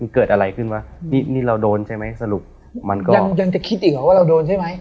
เกิดอะไรขึ้นวะนี่นี่เราโดนใช่ไหมสรุปมันก็ยังยังจะคิดอีกหรอว่าเราโดนใช่ไหม